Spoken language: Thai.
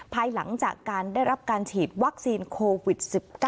ภายหลังจากการได้รับการฉีดวัคซีนโควิด๑๙